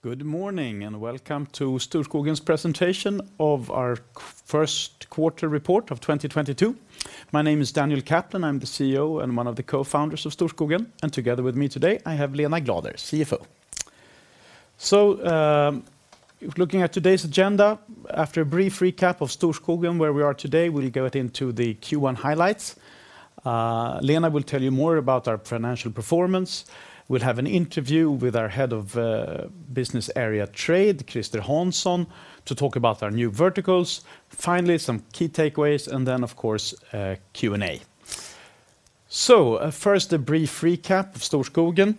Good morning and welcome to Storskogen's presentation of our first quarter report of 2022. My name is Daniel Kaplan. I'm the CEO and one of the co-founders of Storskogen, and together with me today, I have Lena Glader, CFO. Looking at today's agenda, after a brief recap of Storskogen, where we are today, we'll go into the Q1 highlights. Lena will tell you more about our financial performance. We'll have an interview with our head of business area trade, Christer Hansson, to talk about our new verticals. Finally, some key takeaways, and then, of course, Q&A. First, a brief recap of Storskogen.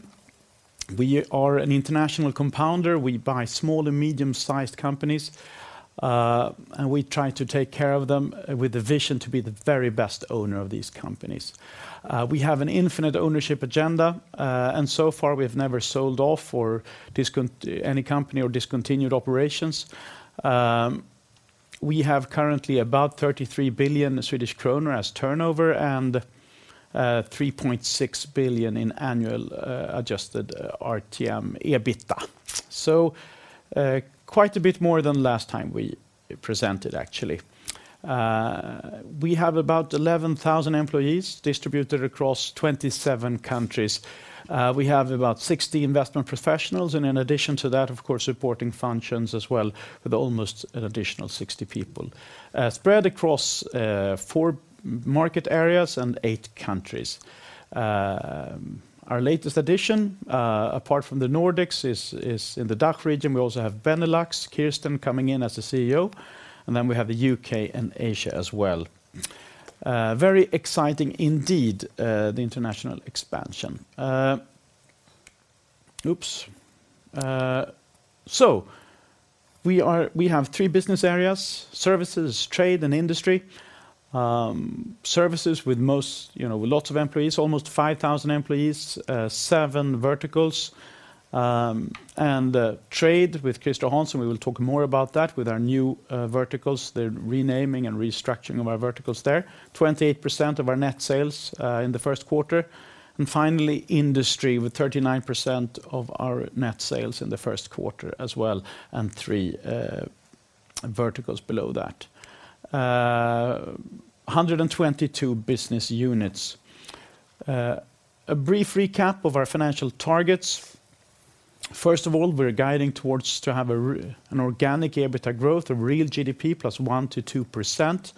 We are an international compounder. We buy small and medium-sized companies, and we try to take care of them with the vision to be the very best owner of these companies. We have an infinite ownership agenda, and so far, we have never sold off or discontinued any company or discontinued operations. We have currently about 33 billion Swedish kronor as turnover and 3.6 billion in annual adjusted RTM EBITDA. Quite a bit more than last time we presented, actually. We have about 11,000 employees distributed across 27 countries. We have about 60 investment professionals, and in addition to that, of course, supporting functions as well with almost an additional 60 people, spread across four market areas and eight countries. Our latest addition, apart from the Nordics, is in the DACH region. We also have Benelux, Kirsten coming in as the CEO, and then we have the U.K. and Asia as well. Very exciting indeed, the international expansio.n. Oops. We have three business areas, services, trade, and industry. Services with most, you know, lots of employees, almost 5,000 employees, seven verticals. Trade with Christer Hansson, we will talk more about that with our new verticals, the renaming and restructuring of our verticals there. 28% of our net sales in the first quarter. Finally, industry with 39% of our net sales in the first quarter as well, and three verticals below that. 122 business units. A brief recap of our financial targets. First of all, we're guiding towards to have an organic EBITDA growth of real GDP +1% to 2%.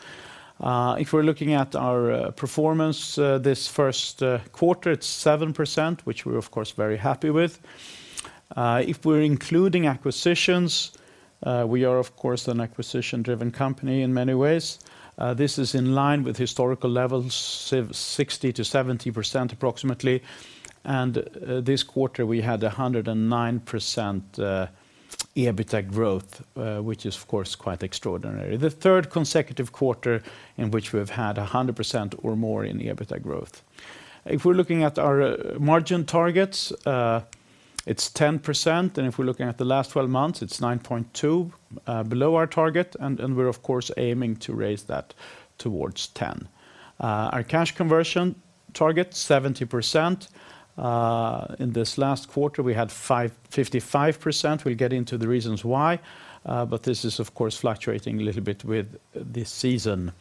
If we're looking at our performance, this first quarter, it's 7%, which we're of course very happy with. If we're including acquisitions, we are of course an acquisition-driven company in many ways. This is in line with historical levels, 60%-70%, approximately. This quarter, we had 109% EBITDA growth, which is of course quite extraordinary. The third consecutive quarter in which we have had 100% or more in EBITDA growth. If we're looking at our margin targets, it's 10%. If we're looking at the last twelve months, it's 9.2%, below our target. We're of course aiming to raise that towards 10%. Our cash conversion target, 70%. In this last quarter, we had 55%. We'll get into the reasons why, but this is of course fluctuating a little bit with the season.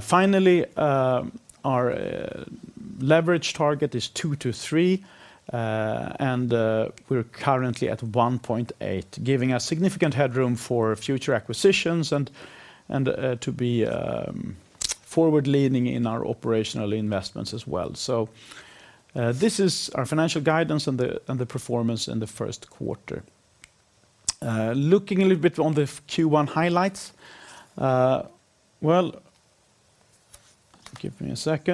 Finally, our leverage target is two to three, and we're currently at 1.8, giving us significant headroom for future acquisitions and to be forward-leaning in our operational investments as well. This is our financial guidance and the performance in the first quarter. Looking a little bit on the Q1 highlights. SEK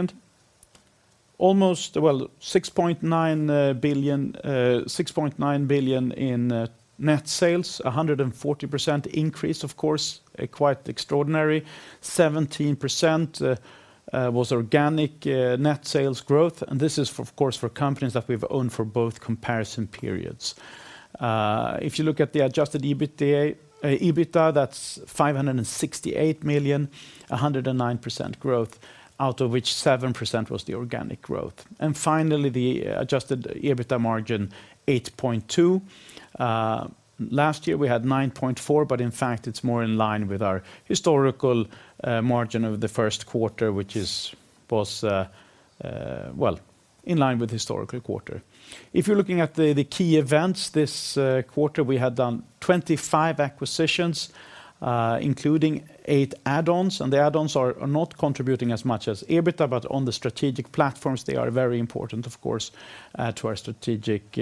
6.9 billion in net sales, 140% increase, of course, quite extraordinary. 17% was organic net sales growth. This is, of course, for companies that we've owned for both comparison periods. If you look at the adjusted EBITDA, that's 568 million, 109% growth, out of which 7% was the organic growth. Finally, the adjusted EBITDA margin, 8.2%. Last year, we had 9.4%, but in fact, it's more in line with our historical margin of the first quarter, which was in line with historical quarter. If you're looking at the key events this quarter, we had done 25 acquisitions, including eight add-ons. The add-ons are not contributing as much as EBITDA, but on the strategic platforms, they are very important, of course, to our strategic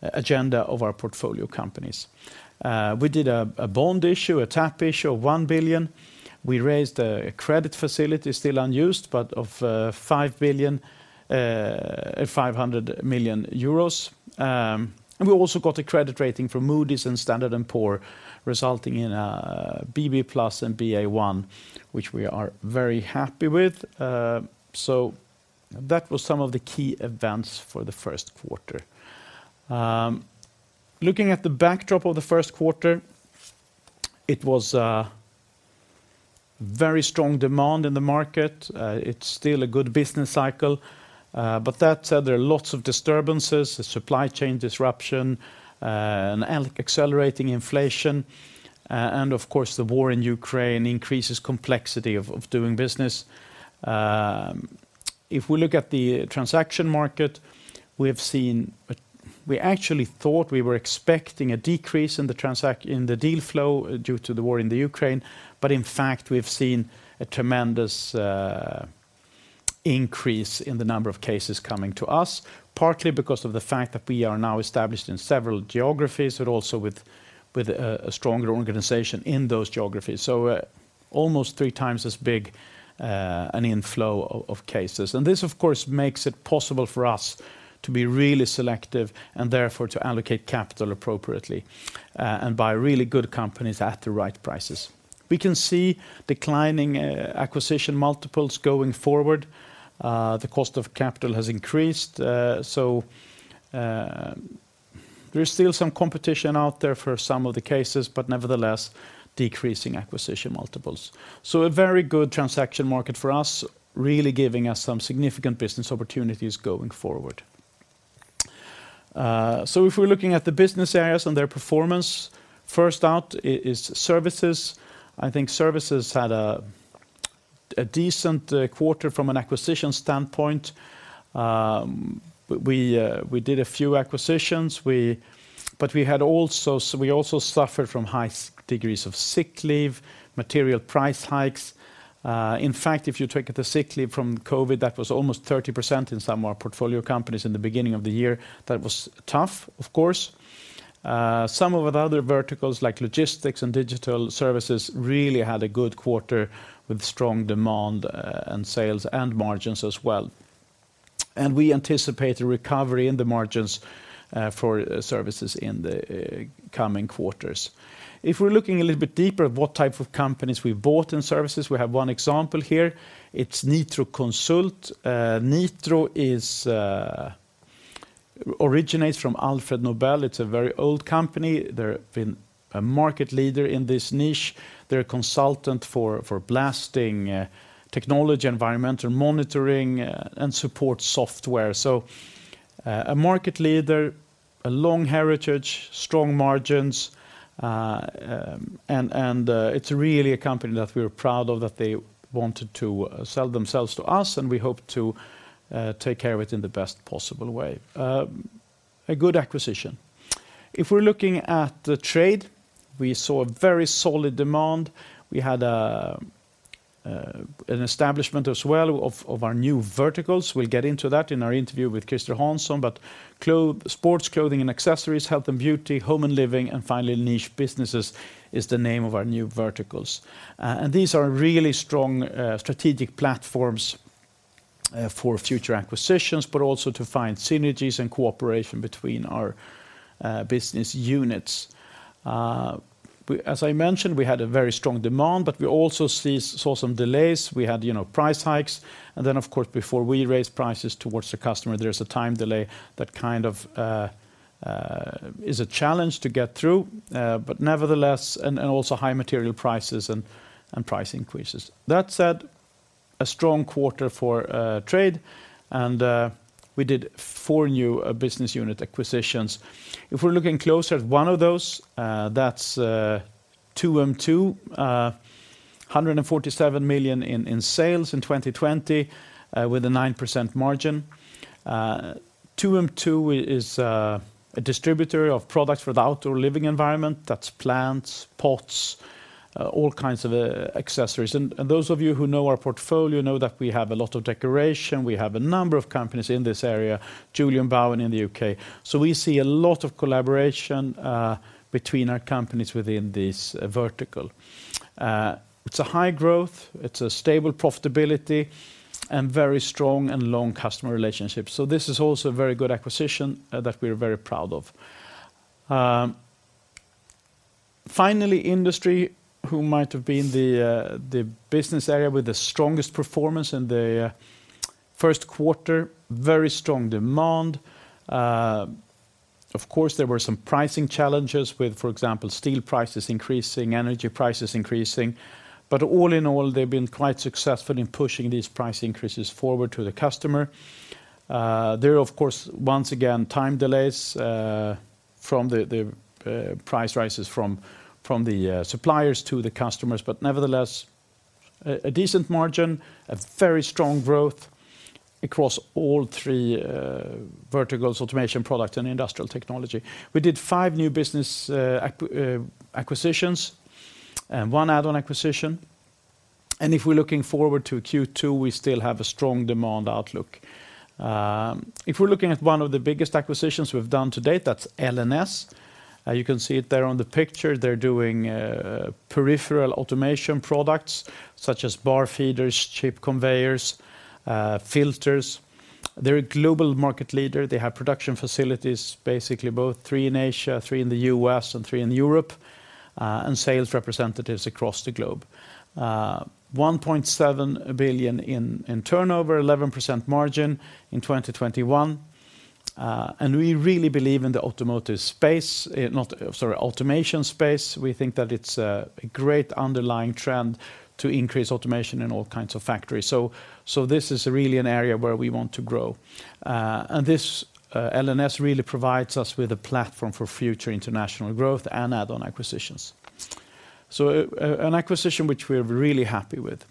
agenda of our portfolio companies. We did a bond issue, a tap issue of 1 billion. We raised a credit facility still unused, but of 5.5 billion euros. We also got a credit rating from Moody's and Standard & Poor's resulting in BB+ and Ba1, which we are very happy with. That was some of the key events for the first quarter. Looking at the backdrop of the first quarter, it was very strong demand in the market. It's still a good business cycle. That said, there are lots of disturbances, the supply chain disruption, and accelerating inflation, and of course, the war in Ukraine increases complexity of doing business. If we look at the transaction market, we have seen... We actually thought we were expecting a decrease in the deal flow due to the war in Ukraine, but in fact, we've seen a tremendous increase in the number of cases coming to us, partly because of the fact that we are now established in several geographies, but also with a stronger organization in those geographies. Almost three times as big an inflow of cases. This, of course, makes it possible for us to be really selective and therefore to allocate capital appropriately and buy really good companies at the right prices. We can see declining acquisition multiples going forward. The cost of capital has increased, so there is still some competition out there for some of the cases, but nevertheless, decreasing acquisition multiples. A very good transaction market for us, really giving us some significant business opportunities going forward. If we're looking at the business areas and their performance, first out is services. I think services had a decent quarter from an acquisition standpoint. We did a few acquisitions. We had also we also suffered from high degrees of sick leave, material price hikes. In fact, if you take the sick leave from COVID, that was almost 30% in some of our portfolio companies in the beginning of the year. That was tough, of course. Some of the other verticals like logistics and digital services really had a good quarter with strong demand, and sales and margins as well. We anticipate a recovery in the margins for services in the coming quarters. If we're looking a little bit deeper at what type of companies we bought in services, we have one example here. It's Nitro Consult. Nitro originates from Alfred Nobel. It's a very old company. They've been a market leader in this niche. They're a consultant for blasting technology, environmental monitoring, and support software. A market leader, a long heritage, strong margins, and it's really a company that we are proud of, that they wanted to sell themselves to us, and we hope to take care of it in the best possible way. A good acquisition. If we're looking at the trade, we saw a very solid demand. We had an establishment as well of our new verticals. We'll get into that in our interview with Christer Hansson, but sports clothing and accessories, health and beauty, home and living, and finally, niche businesses is the name of our new verticals. These are really strong strategic platforms for future acquisitions, but also to find synergies and cooperation between our business units. As I mentioned, we had a very strong demand, but we also saw some delays. We had, you know, price hikes. Then, of course, before we raise prices towards the customer, there's a time delay that kind of is a challenge to get through. Nevertheless, and also high material prices and price increases. That said, a strong quarter for trade, and we did four new business unit acquisitions. If we're looking closer at one of those, that's 2M2, 147 million in sales in 2020, with a 9% margin. 2M2 is a distributor of products for the outdoor living environment. That's plants, pots, all kinds of accessories. Those of you who know our portfolio know that we have a lot of decoration. We have a number of companies in this area, Julian Bowen in the U.K. We see a lot of collaboration between our companies within this vertical. It's a high growth, it's a stable profitability, and very strong and long customer relationships. This is also a very good acquisition that we're very proud of. Finally, Industry, who might have been the business area with the strongest performance in the first quarter, very strong demand. Of course, there were some pricing challenges with, for example, steel prices increasing, energy prices increasing. But all in all, they've been quite successful in pushing these price increases forward to the customer. There are, of course, once again, time delays from the price rises from the suppliers to the customers. But nevertheless, a decent margin, a very strong growth across all three verticals, automation products and industrial technology. We did 5 new business acquisitions and 1 add-on acquisition. If we're looking forward to Q2, we still have a strong demand outlook. If we're looking at one of the biggest acquisitions we've done to date, that's LNS. You can see it there on the picture. They're doing peripheral automation products such as bar feeders, chip conveyors, filters. They're a global market leader. They have production facilities, basically three in Asia, three in the U.S., and three in Europe, and sales representatives across the globe. 1.7 billion in turnover, 11% margin in 2021. We really believe in the automation space. We think that it's a great underlying trend to increase automation in all kinds of factories. This is really an area where we want to grow. This LNS really provides us with a platform for future international growth and add-on acquisitions. An acquisition which we're really happy with.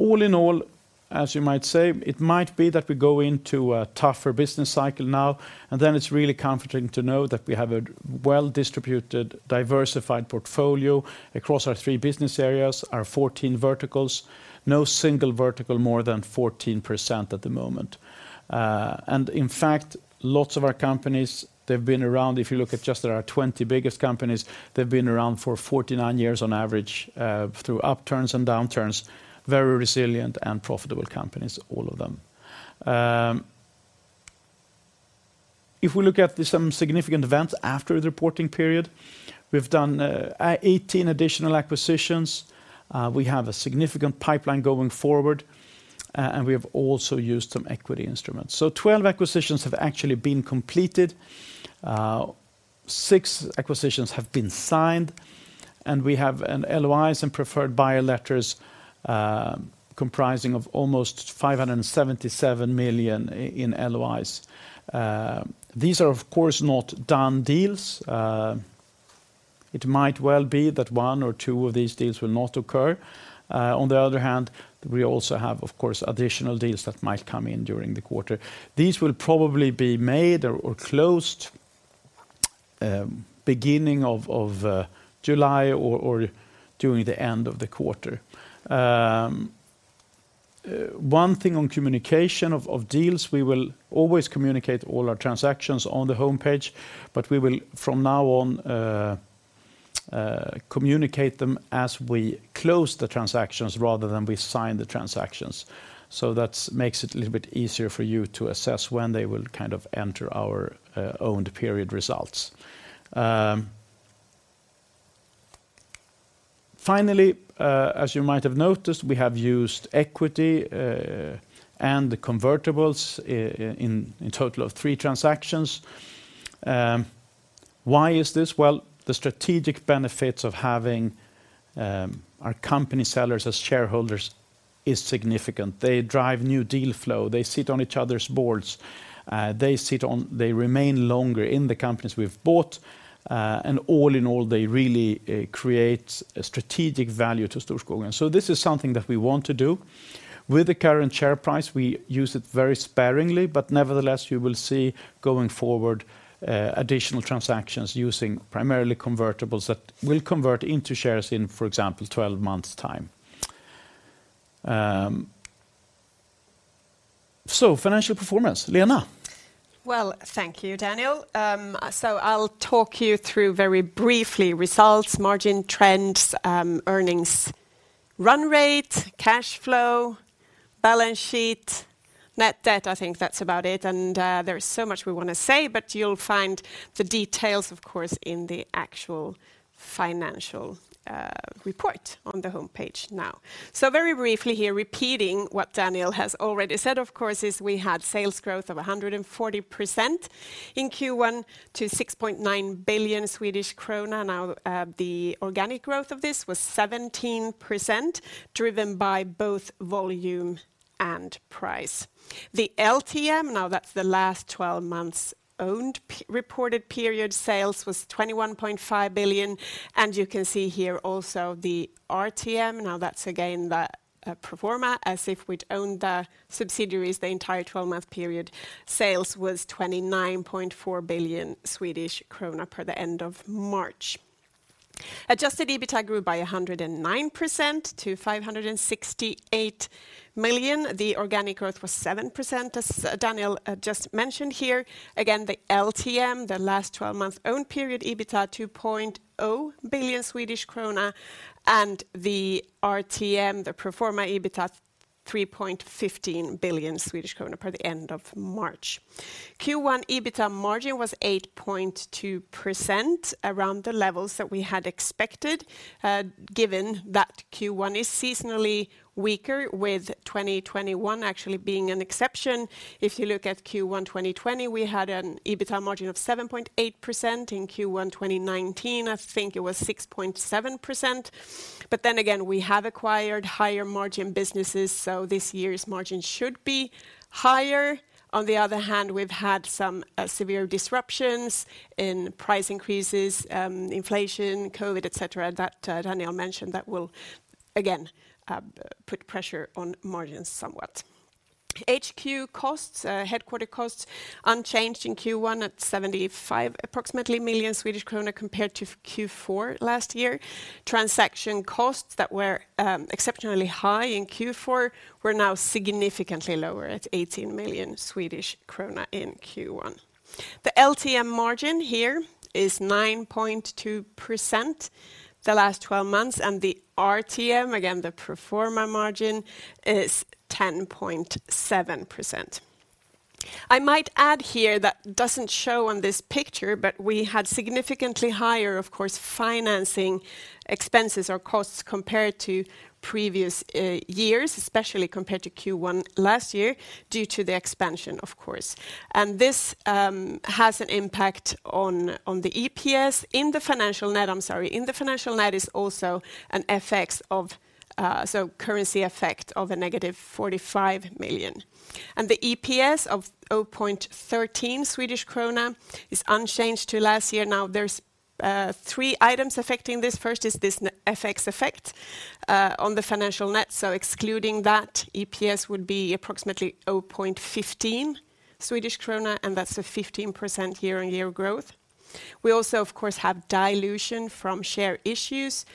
All in all, as you might say, it might be that we go into a tougher business cycle now, and then it's really comforting to know that we have a well-distributed, diversified portfolio across our three business areas, our 14 verticals. No single vertical more than 14% at the moment. In fact, lots of our companies, they've been around, if you look at just our 20 biggest companies, they've been around for 49 years on average, through upturns and downturns, very resilient and profitable companies, all of them. If we look at some significant events after the reporting period, we've done 18 additional acquisitions. We have a significant pipeline going forward, and we have also used some equity instruments. 12 acquisitions have actually been completed. Six acquisitions have been signed, and we have LOIs and preferred buyer letters, comprising of almost 577 million in LOIs. These are, of course, not done deals. It might well be that one or two of these deals will not occur. On the other hand, we also have, of course, additional deals that might come in during the quarter. These will probably be made or closed beginning of July or during the end of the quarter. One thing on communication of deals, we will always communicate all our transactions on the homepage, but we will from now on communicate them as we close the transactions rather than we sign the transactions. That's makes it a little bit easier for you to assess when they will kind of enter our owned period results. Finally, as you might have noticed, we have used equity and the convertibles in total of three transactions. Why is this? Well, the strategic benefits of having our company sellers as shareholders is significant. They drive new deal flow. They sit on each other's boards. They remain longer in the companies we've bought, and all in all, they really create a strategic value to Storskogen. This is something that we want to do. With the current share price, we use it very sparingly, but nevertheless, you will see going forward additional transactions using primarily convertibles that will convert into shares in, for example, 12 months' time. Financial performance. Lena? Well, thank you, Daniel. I'll talk you through very briefly results, margin trends, earnings run rate, cash flow, balance sheet, net debt. I think that's about it, and there is so much we want to say, but you'll find the details, of course, in the actual financial report on the homepage now. Very briefly here, repeating what Daniel has already said, of course, is we had sales growth of 140% in Q1 to 6.9 billion Swedish krona. Now, the organic growth of this was 17%, driven by both volume and price. The LTM, now that's the last twelve months owned reported period, sales was 21.5 billion, and you can see here also the RTM. Now that's again the pro forma, as if we'd owned the subsidiaries the entire twelve-month period. Sales was 29.4 billion Swedish krona per the end of March. Adjusted EBITDA grew by 109% to 568 million. The organic growth was 7%, as Daniel just mentioned here. Again, the LTM, the last twelve months owned period, EBITDA 2.0 billion Swedish krona, and the RTM, the pro forma EBITDA, 3.15 billion Swedish krona per the end of March. Q1 EBITDA margin was 8.2%, around the levels that we had expected, given that Q1 is seasonally weaker with 2021 actually being an exception. If you look at Q1 2020, we had an EBITDA margin of 7.8%. In Q1 2019, I think it was 6.7%, but then again, we have acquired higher margin businesses, so this year's margin should be higher. On the other hand, we've had some severe disruptions in price increases, inflation, COVID, et cetera, that Daniel mentioned that will again put pressure on margins somewhat. HQ costs, headquarters costs unchanged in Q1 at approximately 75 million Swedish krona compared to Q4 last year. Transaction costs that were exceptionally high in Q4 were now significantly lower at 18 million Swedish krona in Q1. The LTM margin here is 9.2%, the last twelve months, and the RTM, again, the pro forma margin, is 10.7%. I might add here that doesn't show on this picture, but we had significantly higher, of course, financing expenses or costs compared to previous years, especially compared to Q1 last year, due to the expansion, of course. This has an impact on the EPS. In the financial net is also an effect of a currency effect of a negative 45 million. The EPS of 0.13 Swedish krona is unchanged to last year. Now, there are three items affecting this. First is this FX effect on the financial net. Excluding that, EPS would be approximately 0.15 Swedish krona, and that's a 15% year-on-year growth. We also, of course, have dilution from share issues.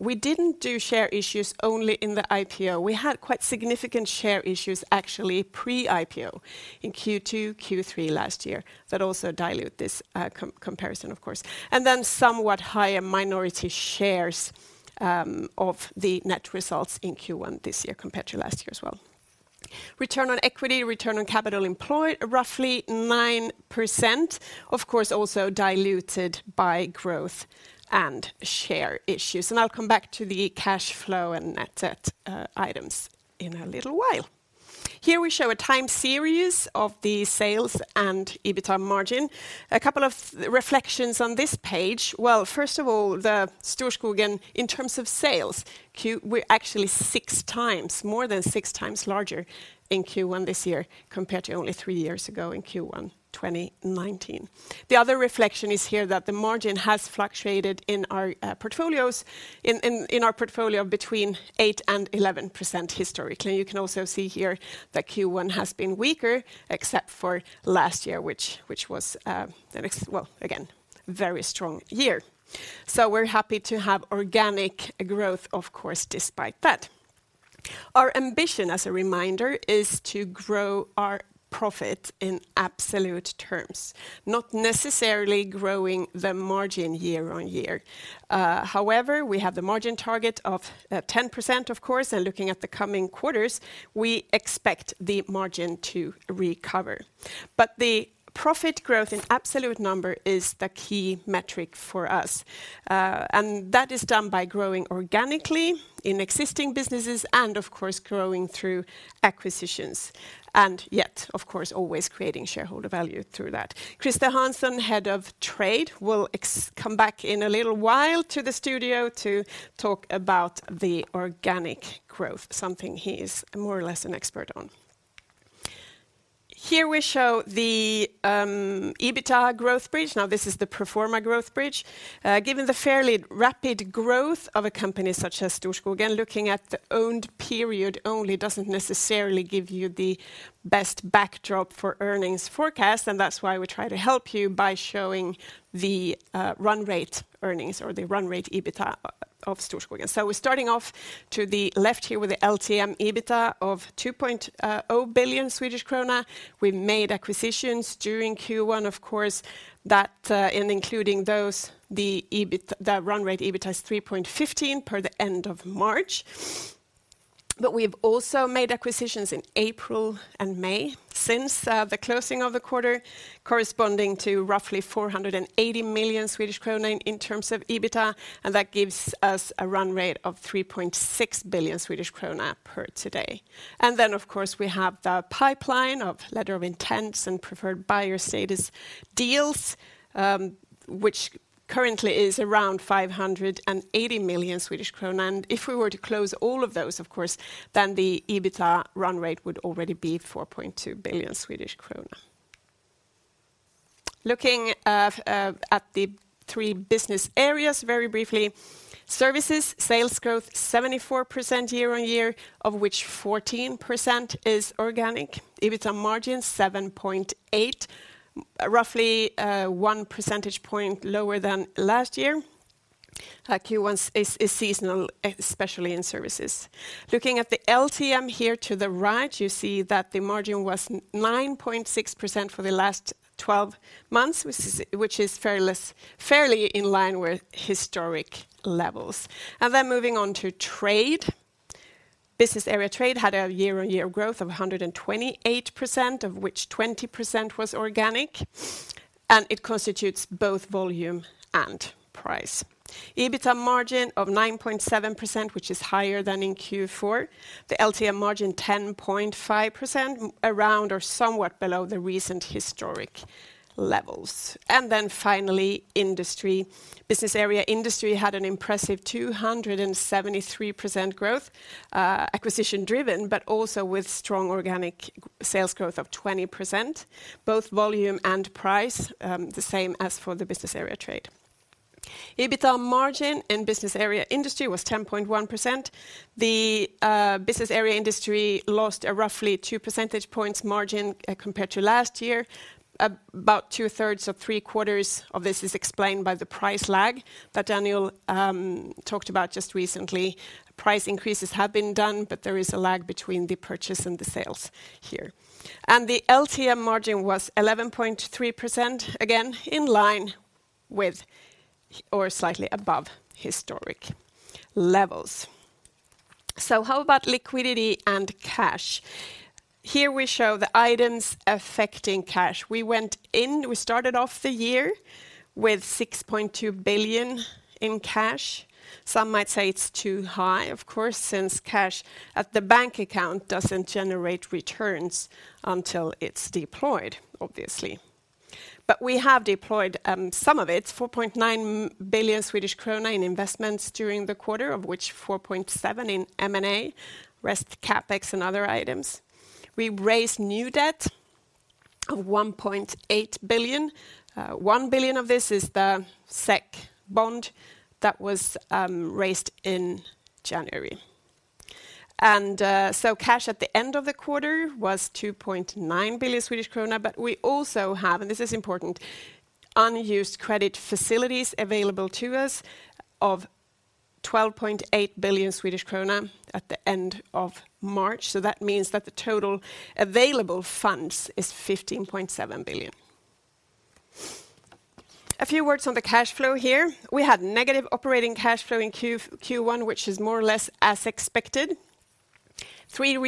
We didn't do share issues only in the IPO. We had quite significant share issues actually pre-IPO in Q2, Q3 last year that also dilute this comparison, of course. Somewhat higher minority shares of the net results in Q1 this year compared to last year as well. Return on equity, return on capital employed, roughly 9%, of course, also diluted by growth and share issues. I'll come back to the cash flow and net debt items in a little while. Here we show a time series of the sales and EBITA margin. A couple of reflections on this page. Well, first of all, the Storskogen, in terms of sales, Q1 we're actually six times, more than six times larger in Q1 this year compared to only three years ago in Q1 2019. The other reflection is here that the margin has fluctuated in our portfolio between eight and 11% historically. You can also see here that Q1 has been weaker except for last year, which was the next. Well, again, very strong year. We're happy to have organic growth, of course, despite that. Our ambition, as a reminder, is to grow our profit in absolute terms, not necessarily growing the margin year on year. However, we have the margin target of 10%, of course, and looking at the coming quarters, we expect the margin to recover. The profit growth in absolute number is the key metric for us, and that is done by growing organically in existing businesses and of course, growing through acquisitions, and yet, of course, always creating shareholder value through that. Christer Hansson, Head of Trade, will come back in a little while to the studio to talk about the organic growth, something he is more or less an expert on. Here we show the EBITA growth bridge. Now, this is the pro forma growth bridge. Given the fairly rapid growth of a company such as Storskogen, looking at the owned period only doesn't necessarily give you the best backdrop for earnings forecast, and that's why we try to help you by showing the run rate earnings or the run rate EBITA of Storskogen. We're starting off to the left here with the LTM EBITA of 2.0 billion Swedish krona. We made acquisitions during Q1, of course, including those, the run rate EBITA is 3.15 per the end of March. We've also made acquisitions in April and May since the closing of the quarter, corresponding to roughly 480 million Swedish krona in terms of EBITA, and that gives us a run rate of 3.6 billion Swedish krona per today. Of course, we have the pipeline of letters of intent and preferred buyer status deals, which currently is around 500 million Swedish krona. If we were to close all of those, of course, then the EBITA run rate would already be 4.2 billion Swedish krona. Looking at the three business areas very briefly. Services, sales growth 74% year-on-year, of which 14% is organic. EBITA margin 7.8%, roughly 1 percentage point lower than last year. Q1 is seasonal, especially in services. Looking at the LTM here to the right, you see that the margin was 9.6% for the last twelve months, which is fairly in line with historic levels. Moving on to trade. Business area trade had a year-on-year growth of 128%, of which 20% was organic, and it constitutes both volume and price. EBITA margin of 9.7%, which is higher than in Q4. The LTM margin, 10.5%, around or somewhat below the recent historic levels. Finally, industry. Business area industry had an impressive 273% growth, acquisition driven, but also with strong organic sales growth of 20%, both volume and price, the same as for the business area trade. EBITA margin in business area industry was 10.1%. The business area industry lost a roughly 2 percentage points margin, compared to last year. About two-thirds or three-quarters of this is explained by the price lag that Daniel talked about just recently. Price increases have been done, but there is a lag between the purchase and the sales here. The LTM margin was 11.3%, again in line with or slightly above historic levels. How about liquidity and cash? Here we show the items affecting cash. We went in, we started off the year with 6.2 billion in cash. Some might say it's too high, of course, since cash at the bank account doesn't generate returns until it's deployed, obviously. We have deployed some of it, 4.9 billion Swedish krona in investments during the quarter, of which 4.7 billion in M&A, rest CapEx and other items. We raised new debt of 1.8 billion. One billion of this is the SEK bond that was raised in January. Cash at the end of the quarter was 2.9 billion Swedish krona, but we also have, and this is important, unused credit facilities available to us of 12.8 billion Swedish krona at the end of March. That means that the total available funds is 15.7 billion. A few words on the cash flow here. We had negative operating cash flow in Q1, which is more or less as expected. Three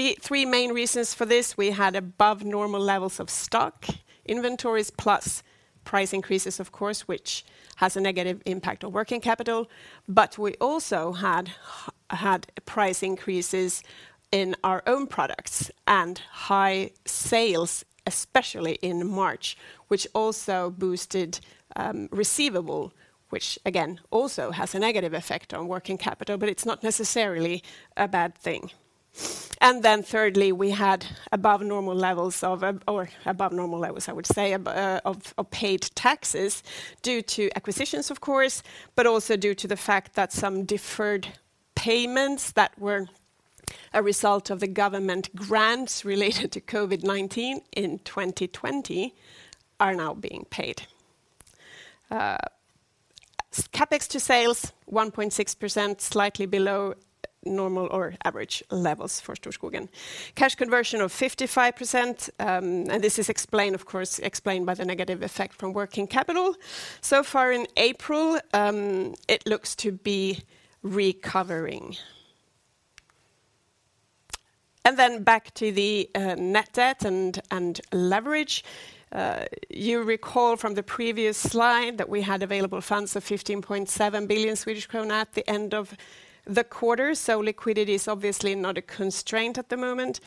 main reasons for this, we had above normal levels of stock inventories plus price increases, of course, which has a negative impact on working capital. We also had price increases in our own products and high sales, especially in March, which also boosted receivable, which again, also has a negative effect on working capital, but it's not necessarily a bad thing. Thirdly, we had above normal levels, I would say, of paid taxes due to acquisitions, of course, but also due to the fact that some deferred payments that were a result of the government grants related to COVID-19 in 2020 are now being paid. CapEx to sales, 1.6%, slightly below normal or average levels for Storskogen. Cash conversion of 55%, and this is explained, of course, by the negative effect from working capital. So far in April, it looks to be recovering. Back to the net debt and leverage. You recall from the previous slide that we had available funds of 15.7 billion Swedish krona at the end of the quarter. Liquidity is obviously not a constraint at the moment.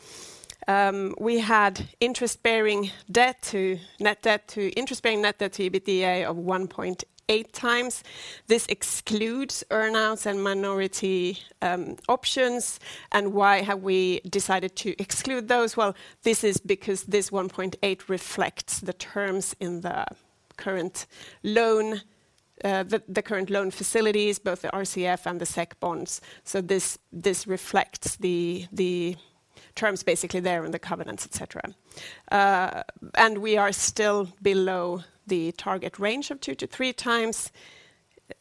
We had interest-bearing net debt to EBITDA of 1.8x. This excludes earn-outs and minority options. Why have we decided to exclude those? This is because this 1.8 reflects the terms in the current loan, the current loan facilities, both the RCF and the SEK bonds. This reflects the terms basically there and the covenants, et cetera. We are still below the target range of two to three times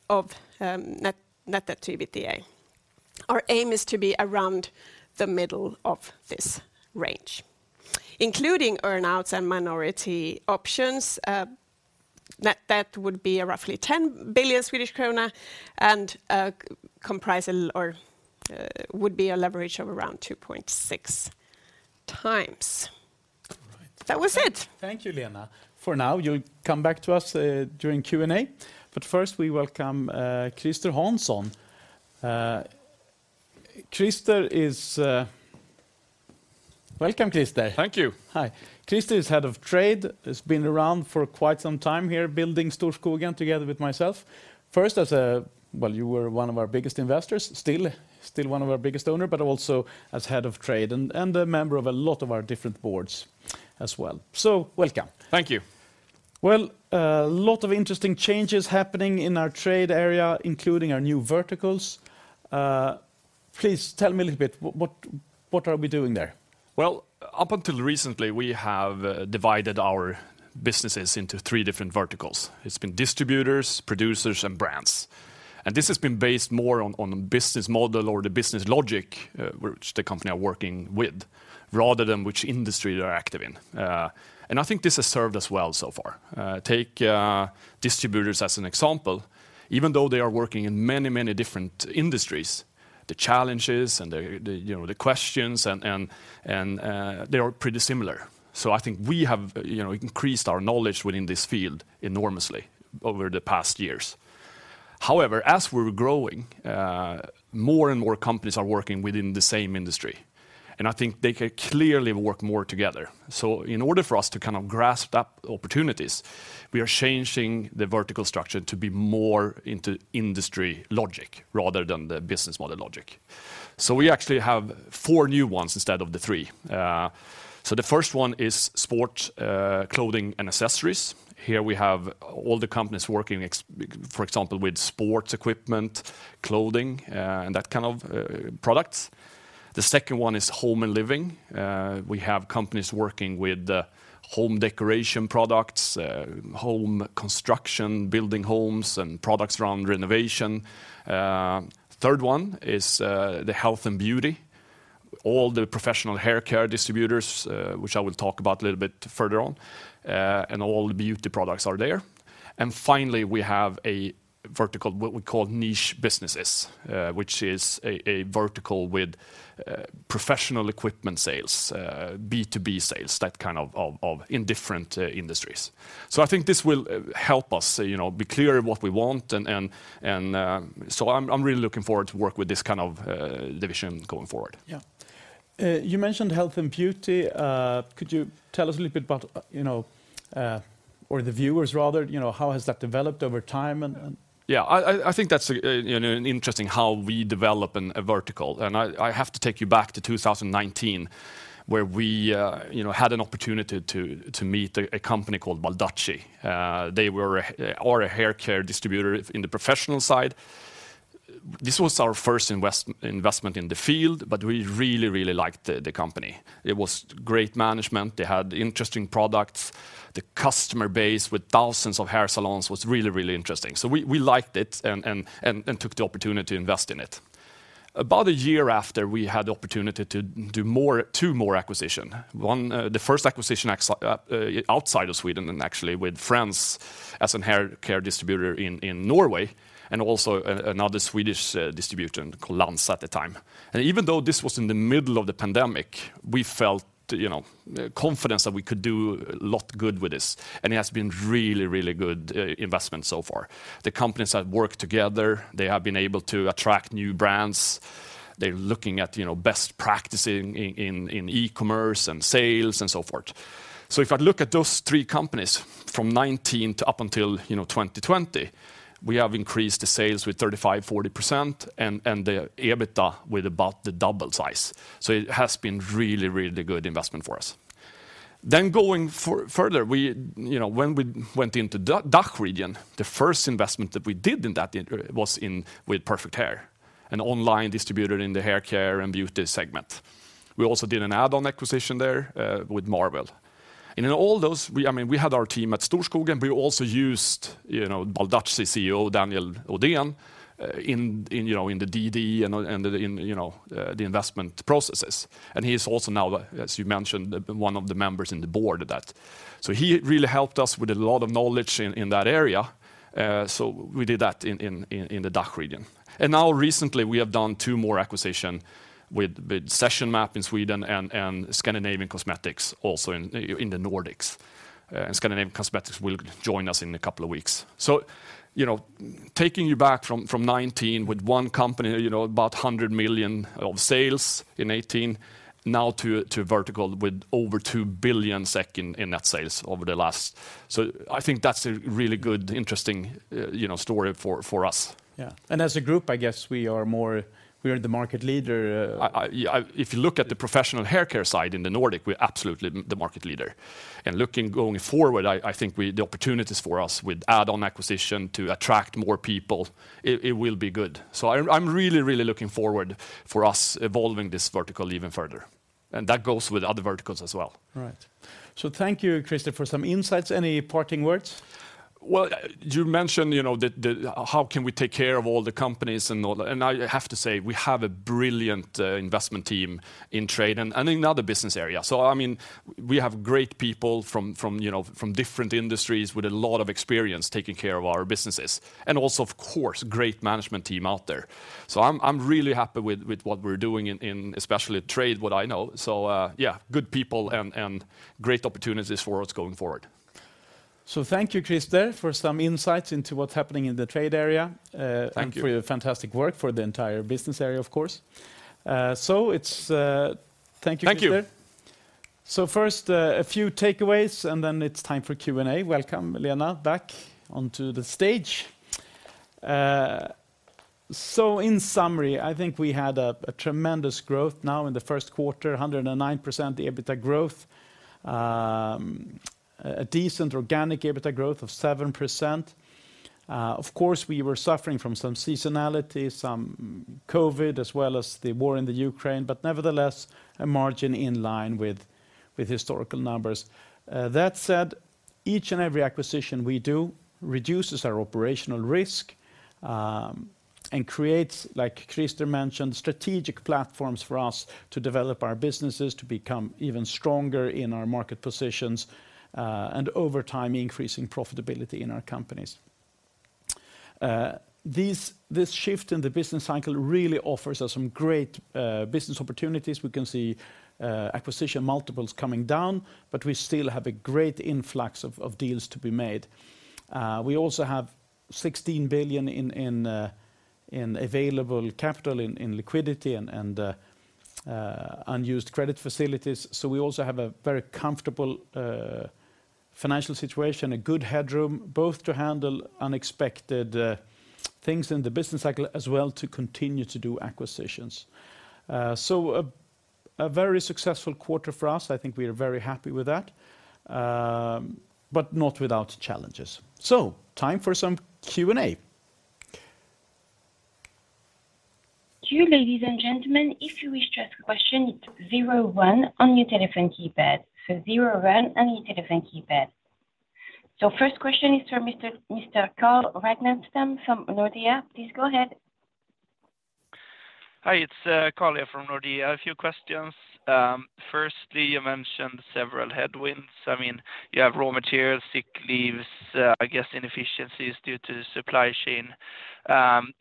of net debt to EBITDA. Our aim is to be around the middle of this range. Including earn-outs and minority options, net debt would be roughly 10 billion Swedish krona and would be a leverage of around 2.6 times. All right. That was it. Thank you, Lena. For now, you'll come back to us during Q&A. First, we welcome Christer Hansson. Welcome, Christer. Thank you. Hi. Christer Hansson is Head of Trade, has been around for quite some time here building Storskogen together with myself. First, well, you were one of our biggest investors, still one of our biggest owner, but also as Head of Trade and a member of a lot of our different boards as well. Welcome. Thank you. Well, a lot of interesting changes happening in our trade area, including our new verticals. Please tell me a little bit, what are we doing there? Well, up until recently, we have divided our businesses into three different verticals. It's been distributors, producers, and brands. This has been based more on the business model or the business logic which the company are working with rather than which industry they are active in. I think this has served us well so far. Take distributors as an example. Even though they are working in many, many different industries, the challenges and, you know, the questions and they are pretty similar. I think we have, you know, increased our knowledge within this field enormously over the past years. However, as we're growing, more and more companies are working within the same industry, and I think they could clearly work more together. In order for us to kind of grasp those opportunities, we are changing the vertical structure to be more into industry logic rather than the business model logic. We actually have four new ones instead of the three. The first one is sport, clothing, and accessories. Here we have all the companies working for example, with sports equipment, clothing, and that kind of products. The second one is home and living. We have companies working with home decoration products, home construction, building homes, and products around renovation. Third one is the health and beauty. All the professional haircare distributors, which I will talk about a little bit further on, and all the beauty products are there. Finally, we have a vertical, what we call niche businesses, which is a vertical with professional equipment sales, B2B sales, that kind of in different industries. I think this will help us, you know, be clear in what we want and. I'm really looking forward to work with this kind of division going forward. Yeah. You mentioned health and beauty. Could you tell us a little bit about, you know, or the viewers rather, you know, how has that developed over time? Yeah. I think that's, you know, an interesting how we develop in a vertical. I have to take you back to 2019, where we, you know, had an opportunity to meet a company called Baldacci. They were a haircare distributor in the professional side. This was our first investment in the field, but we really liked the company. It was great management. They had interesting products. The customer base with thousands of hair salons was really interesting. We liked it and took the opportunity to invest in it. About a year after, we had the opportunity to do two more acquisition. The first acquisition outside of Sweden and actually with Frends as a haircare distributor in Norway, and also another Swedish distributor called L'Anza at the time. Even though this was in the middle of the pandemic, we felt, you know, confidence that we could do a lot good with this, and it has been really, really good investment so far. The companies have worked together. They have been able to attract new brands. They're looking at, you know, best practice in e-commerce and sales and so forth. If I look at those three companies from 2019 to up until, you know, 2020, we have increased the sales with 35%-40% and the EBITDA with about the double size. It has been really, really good investment for us. Going further, you know, when we went into DACH region, the first investment that we did in that was in with PerfectHair.ch, an online distributor in the haircare and beauty segment. We also did an add-on acquisition there with Marwell. In all those, I mean, we had our team at Storskogen, but we also used, you know, Baldacci CEO, Daniel Odén in the DD and the investment processes. He is also now, as you mentioned, one of the members in the board. He really helped us with a lot of knowledge in that area, so we did that in the DACH region. Now recently, we have done two more acquisitions with Session MAP in Sweden and Scandinavian Cosmetics also in the Nordics. Scandinavian Cosmetics will join us in a couple of weeks. You know, taking you back from 2019 with one company, you know, about 100 million of sales in 2018. Now to vertical with over 2 billion SEK in net sales over the last. I think that's a really good, interesting, you know, story for us. Yeah. As a group, I guess we are the market leader. Yeah, if you look at the professional haircare side in the Nordic, we're absolutely the market leader. Looking forward, I think the opportunities for us with add-on acquisition to attract more people, it will be good. I'm really looking forward for us evolving this vertical even further, and that goes with other verticals as well. All right. Thank you, Christer, for some insights. Any parting words? Well, you mentioned, you know, how can we take care of all the companies and all that, and I have to say, we have a brilliant investment team in trade and in other business area. I mean, we have great people from, you know, from different industries with a lot of experience taking care of our businesses, and also, of course, great management team out there. I'm really happy with what we're doing in especially trade, what I know. Yeah, good people and great opportunities for what's going forward. Thank you, Christer, for some insights into what's happening in the trade area. Thank you. for your fantastic work for the entire business area, of course. Thank you, Christer. Thank you. First, a few takeaways, and then it's time for Q&A. Welcome, Lena, back onto the stage. In summary, I think we had a tremendous growth now in the first quarter, 109% EBITDA growth, a decent organic EBITDA growth of 7%. Of course, we were suffering from some seasonality, some COVID, as well as the war in the Ukraine, but nevertheless, a margin in line with historical numbers. That said, each and every acquisition we do reduces our operational risk, and creates, like Christer mentioned, strategic platforms for us to develop our businesses to become even stronger in our market positions, and over time, increasing profitability in our companies. This shift in the business cycle really offers us some great business opportunities. We can see acquisition multiples coming down, but we still have a great influx of deals to be made. We also have 16 billion in available capital in liquidity and unused credit facilities. We have a very comfortable financial situation, a good headroom, both to handle unexpected things in the business cycle, as well to continue to do acquisitions. A very successful quarter for us. I think we are very happy with that, but not without challenges. Time for some Q&A. Thank you, ladies and gentlemen. If you wish to ask a question, it's zero one on your telephone keypad. Zero one on your telephone keypad. First question is from Mr. Carl Ragnerstam from Nordea. Please go ahead. Hi, it's Carl here from Nordea. A few questions. Firstly, you mentioned several headwinds. I mean, you have raw materials, sick leaves, I guess inefficiencies due to supply chain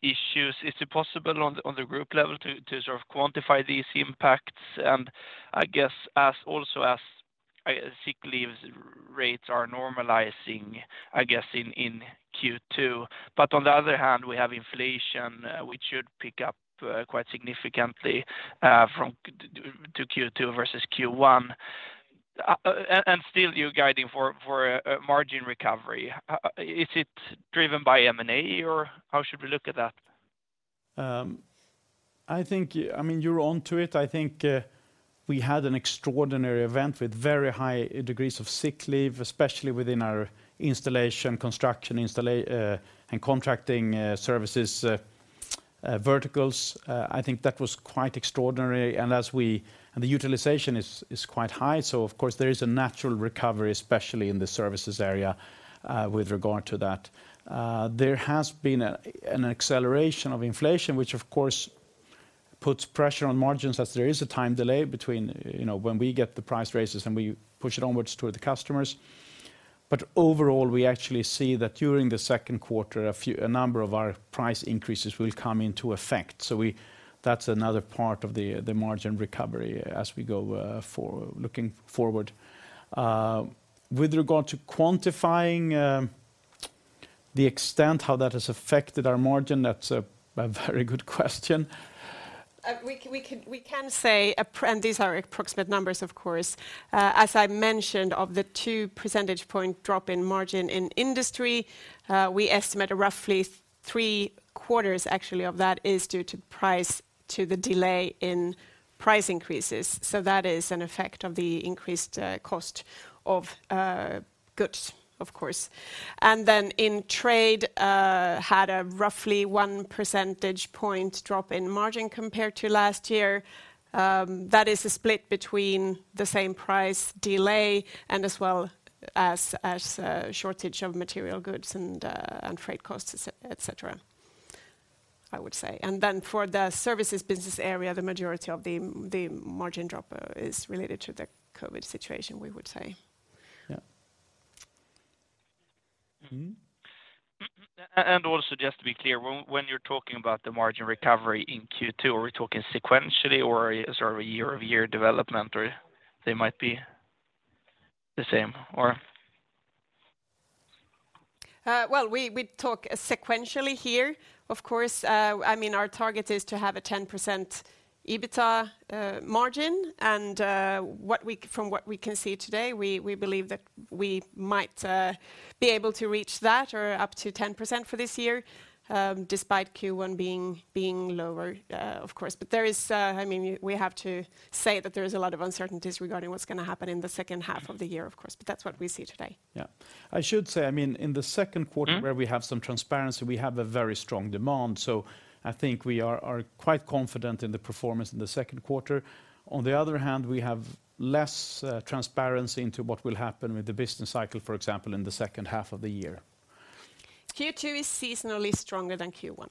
issues. Is it possible on the group level to sort of quantify these impacts? I guess as sick leave rates are normalizing, I guess in Q2. On the other hand, we have inflation, which should pick up quite significantly from Q1 to Q2. Still you're guiding for a margin recovery. How is it driven by M&A, or how should we look at that? I think, I mean, you're onto it. I think we had an extraordinary event with very high degrees of sick leave, especially within our installation, construction and contracting services verticals. I think that was quite extraordinary. The utilization is quite high, so of course there is a natural recovery, especially in the services area, with regard to that. There has been an acceleration of inflation, which of course puts pressure on margins as there is a time delay between, you know, when we get the price raises and we push it onwards to the customers. Overall, we actually see that during the second quarter, a few, a number of our price increases will come into effect. That's another part of the margin recovery as we go looking forward. With regard to quantifying the extent how that has affected our margin, that's a very good question. We can say and these are approximate numbers, of course. As I mentioned, of the 2 percentage point drop in margin in industry, we estimate roughly three quarters actually of that is due to price, to the delay in price increases. That is an effect of the increased cost of goods, of course. In trade, had a roughly 1 percentage point drop in margin compared to last year. That is a split between the same price delay and as well as shortage of material goods and freight costs, et cetera, I would say. For the services business area, the majority of the margin drop is related to the COVID situation, we would say. Yeah. also just to be clear, when you're talking about the margin recovery in Q2, are we talking sequentially or a year-over-year development, or they might be the same? Well, we talk sequentially here, of course. I mean, our target is to have a 10% EBITDA margin. From what we can see today, we believe that we might be able to reach that or up to 10% for this year, despite Q1 being lower, of course. I mean, we have to say that there is a lot of uncertainties regarding what's gonna happen in the second half of the year, of course, but that's what we see today. Yeah. I should say, I mean, in the second quarter. Mm-hmm where we have some transparency, we have a very strong demand. I think we are quite confident in the performance in the second quarter. On the other hand, we have less transparency into what will happen with the business cycle, for example, in the second half of the year. Q2 is seasonally stronger than Q1.